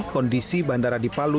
kondisi bandara di palu